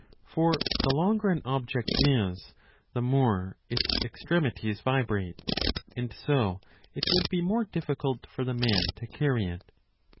For the longer an object is, the more its extremities vibrate, and so it would be more difficult for the man to carry it.